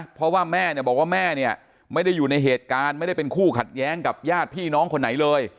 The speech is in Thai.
เพราะว่าแม่เนี่ยบอกว่าแม่เนี่ยไม่ได้อยู่ในเหตุการณ์ไม่ได้เป็นคู่ขัดแย้งกับญาติพี่น้องคนไหนเลย